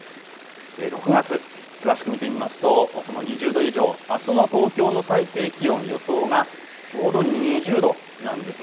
６月、詳しく見てみますとあすの東京の最低気温、予想がちょうど２０度なんです。